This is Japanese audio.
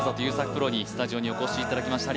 プロにスタジオにお越しいただきました。